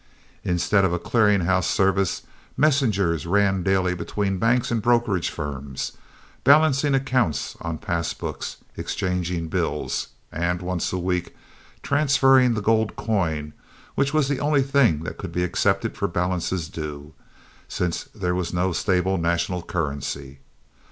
Instead of a clearing house service, messengers ran daily between banks and brokerage firms, balancing accounts on pass books, exchanging bills, and, once a week, transferring the gold coin, which was the only thing that could be accepted for balances due, since there was no stable national currency.